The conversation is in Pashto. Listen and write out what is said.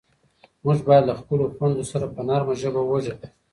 موږ باید له خپلو خویندو سره په نرمه ژبه غږېږو.